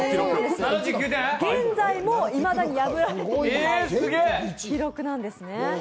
現在もいまだに破られていない記録なんですね。